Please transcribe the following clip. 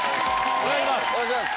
お願いします。